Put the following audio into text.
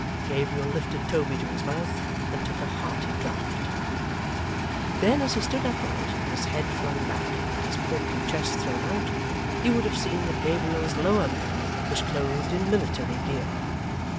Gabriel lifted Toby to his mouth, and took a hearty draught. Then, as he stood upright, with his head flung back, and his portly chest thrown out, you would have seen that Gabriel's lower man was clothed in military gear.